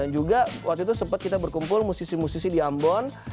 dan juga waktu itu sempat kita berkumpul musisi musisi di ambon